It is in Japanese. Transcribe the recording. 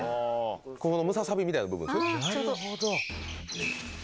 ここのムササビみたいな部分なるほど。